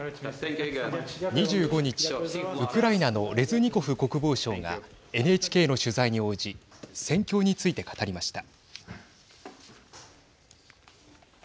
２５日ウクライナのレズニコフ国防相がＮＨＫの取材に応じ戦況について語りました。